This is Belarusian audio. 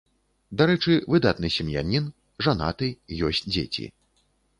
Дарэчы, выдатны сем'янін, жанаты, ёсць дзеці.